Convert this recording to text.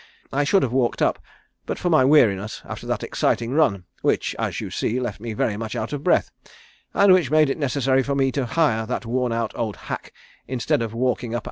I should have walked up, but for my weariness after that exciting run, which as you see left me very much out of breath, and which made it necessary for me to hire that worn out old hack instead of walking up as is my wont."